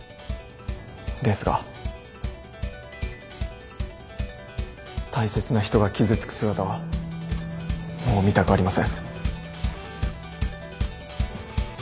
ですが大切な人が傷つく姿はもう見たくありません。